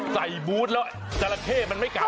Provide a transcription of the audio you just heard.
ใส่บูธแล้วเจราเข้มันไม่กัดบ้า